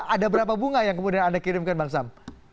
ada berapa bunga yang kemudian anda kirimkan bang sam